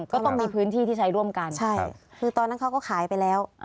ก็ต้องมีพื้นที่ที่ใช้ร่วมกันใช่คือตอนนั้นเขาก็ขายไปแล้ว